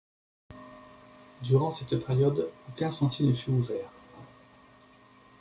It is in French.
Durant cette période, aucun sentier ne fut ouvert.